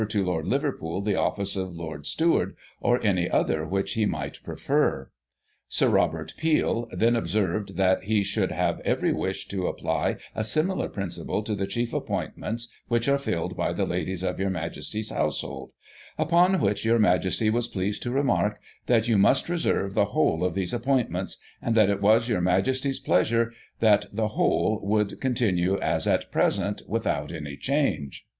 93 to Lord Liverpool the office of Lord Steward, or any other which he might prefer. "* Sir Robert Peel then observed, that he should have every wish to apply a similar principle to the chief appointments which are filled by the Ladies of your Majesty's household ; upon which your Majesty was pleased to remark, that you must reserve the whole of those appointments, and that it WcLS your Majesty's pleasure, that the whole should continue as at present, without any chang e.